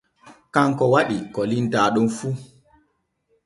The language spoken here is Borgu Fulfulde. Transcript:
Kanko waɗi ko limtaa ɗo fu.